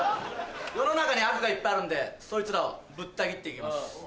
世の中に悪がいっぱいあるんでそいつらをぶった斬って行きます。